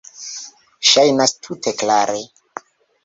Ŝajnas tute klare.